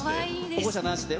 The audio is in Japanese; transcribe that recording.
保護者なしで。